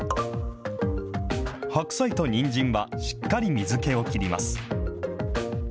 白菜とにんじんはしっかり水けを切ります。